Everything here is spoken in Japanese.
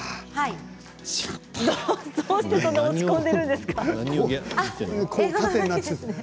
どうしてそんなに落ち込んでいるんですか。